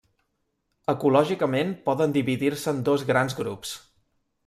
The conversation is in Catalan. Ecològicament poden dividir-se en dos grans grups.